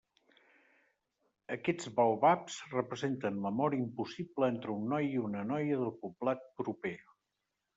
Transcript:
Aquests baobabs representen l'amor impossible entre un noi i una noia del poblat proper.